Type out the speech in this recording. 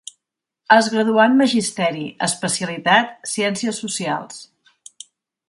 Es graduà en Magisteri, especialitat ciències socials.